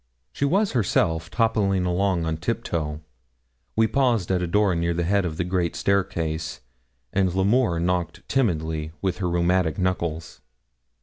She was herself toppling along on tiptoe. We paused at a door near the head of the great staircase, and L'Amour knocked timidly with her rheumatic knuckles.